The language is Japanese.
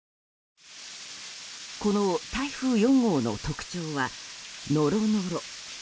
この台風４号の特徴はノロノロ。